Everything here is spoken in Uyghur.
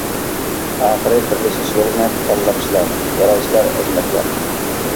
ئاخىرى بىرلىشىش يولىنى تاللاپسىلەر، يارايسىلەر ئەزىمەتلەر!